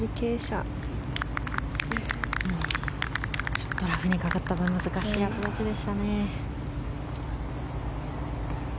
ちょっとラフにかかった分難しいアプローチでしたね。